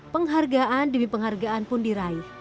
penghargaan demi penghargaan pun diraih